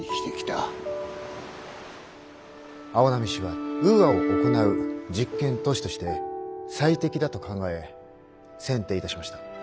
市はウーアを行う実験都市として最適だと考え選定いたしました。